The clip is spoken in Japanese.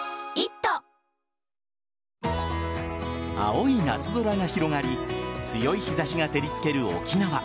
青い夏空が広がり強い日差しが照りつける沖縄。